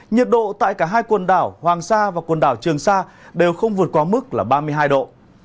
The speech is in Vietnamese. nhiệt độ tại cả hai quần đảo hoàng sa và quần đảo trường sa đều không vượt qua mức là ba mươi hai độ